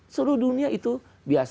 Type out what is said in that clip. seluruh dunia itu biasa